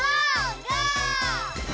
ゴー！